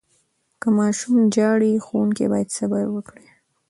که ماشوم ژاړي، ښوونکي باید صبر وکړي.